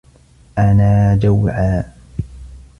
أنا جوعى.